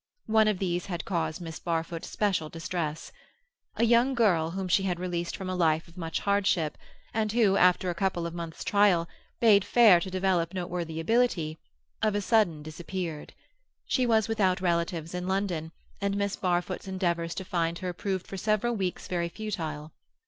One of these had caused Miss Barfoot special distress. A young girl whom she had released from a life of much hardship, and who, after a couple of months' trial, bade fair to develop noteworthy ability, of a sudden disappeared. She was without relatives in London, and Miss Barfoot's endeavours to find her proved for several weeks very futile.